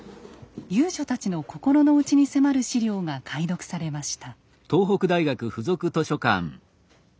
遊女たちの心の内に迫る史料が解読されました。